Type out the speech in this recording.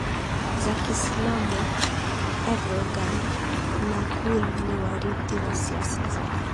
za Kiislamu Erdogan na Gul ni warithi wa siasa za